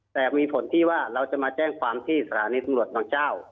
แต่มีผลที่ว่าเราจะมาแจ้งความที่สถานีตำรวจบางเจ้า